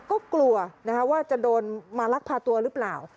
ก็กลัวว่าจะโดนมาลักพาตัวหรือเปล่า